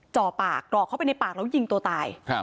จ่อปากกรอกเข้าไปในปากแล้วยิงตัวตาย